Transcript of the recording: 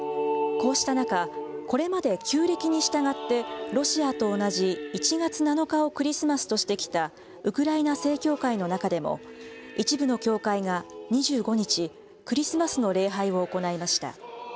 こうした中、これまで旧暦に従ってロシアと同じ１月７日をクリスマスとしてきたウクライナ正教会の中でも、一部の教会が２５日、クリスマスの礼拝を行いました。